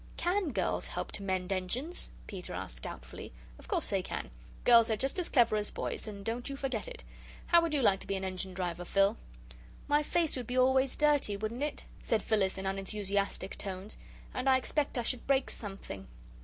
"CAN girls help to mend engines?" Peter asked doubtfully. "Of course they can. Girls are just as clever as boys, and don't you forget it! How would you like to be an engine driver, Phil?" "My face would be always dirty, wouldn't it?" said Phyllis, in unenthusiastic tones, "and I expect I should break something."